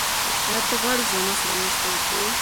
آیا ته غواړې چې زما سره مرسته وکړې؟